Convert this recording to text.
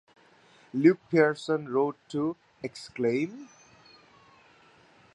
Luke Pearson wrote to Exclaim!